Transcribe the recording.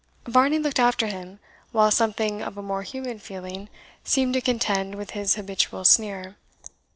Varney looked after him, while something of a more human feeling seemed to contend with his habitual sneer.